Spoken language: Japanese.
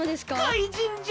かいじんじゃ！